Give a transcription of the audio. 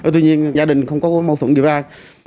tuy nhiên gia đình không có mâu thuẫn gì với ai